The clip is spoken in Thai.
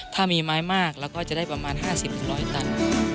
ถ้ามีไม้มากเราก็จะได้ประมาณ๕๐๑๐๐ตัน